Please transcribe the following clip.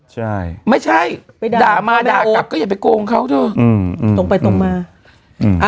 ใช่ไม่ใช่ไปด่ามาด่ากลับก็อย่าไปโกงเขาเถอะอืมตรงไปตรงมาอืม